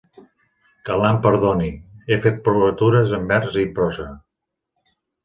Que Al·là em perdoni, he fet provatures en vers i en prosa.